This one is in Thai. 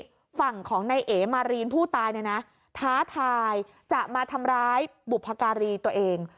ฝั่งของนายเอ๋มารีนผู้ตายเนี่ยนะท้าทายจะมาทำร้ายบุพการีตัวเอง